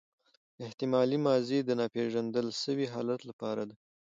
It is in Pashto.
احتمالي ماضي د ناپیژندل سوي حالت له پاره ده.